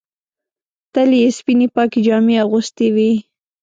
تل یې سپینې پاکې جامې اغوستې وې.